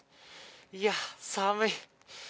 いや、寒い！